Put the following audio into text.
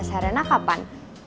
tes herena kapan